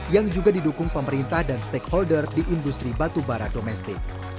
yang juga didukung pemerintah dan stakeholder di industri batubara domestik